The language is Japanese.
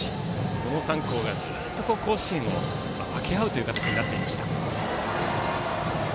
この３校がずっと甲子園を分け合う形になっていました。